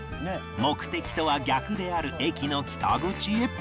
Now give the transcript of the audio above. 目的とは逆である駅の北口へ